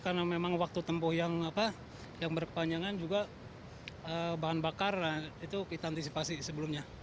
karena memang waktu tempuh yang berkepanjangan juga bahan bakar itu kita antisipasi sebelumnya